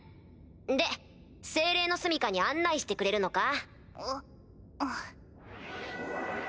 で精霊の棲家に案内してくれるのか？